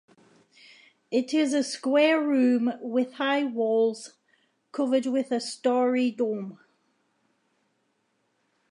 It is a square room, with high walls, covered with a starry dome.